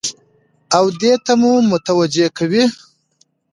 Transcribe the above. او دې ته مو متوجه کوي